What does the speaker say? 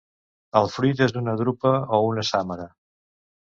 El fruit és una drupa o una sàmara.